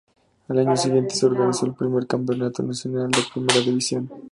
Al año siguiente, se organizó el primer campeonato nacional de primera división.